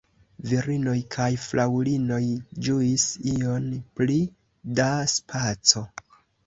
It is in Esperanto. Virinoj kaj fraŭlinoj ĝuis ion pli da spaco.